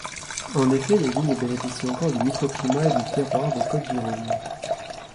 En effet, les vignes bénéficient encore du microclimat et du terroir des côtes-du-rhône.